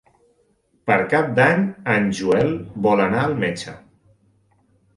Per Cap d'Any en Joel vol anar al metge.